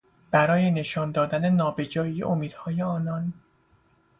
برای نشان دادن نابجایی امیدهای آنان